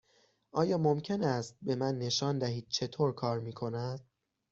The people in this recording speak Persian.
آیا ممکن است به من نشان دهید چطور کار می کند؟